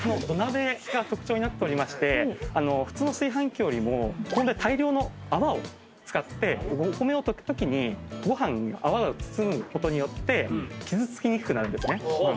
土鍋が特徴になっておりまして普通の炊飯器よりも大量の泡を使ってお米を炊くときにご飯に泡が包むことによって傷つきにくくなるんですね。